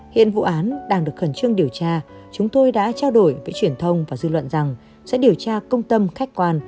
hiện vụ án đang được khẩn trương điều tra chúng tôi đã trao đổi với truyền thông và dư luận rằng sẽ điều tra công tâm khách quan